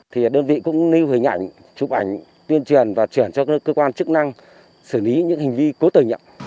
thì đơn vị cũng lưu hình ảnh chụp ảnh tuyên truyền và chuyển cho cơ quan chức năng xử lý những hành vi cố tời nhận